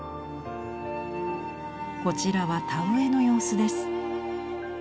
こちらは田植えの様子です。